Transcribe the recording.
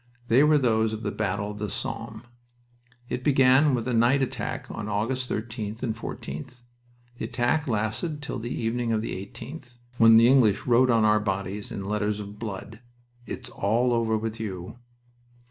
"They were those of the battle of the Somme. It began with a night attack on August 13th and 14th. The attack lasted till the evening of the 18th, when the English wrote on our bodies in letters of blood, 'It is all over with you.'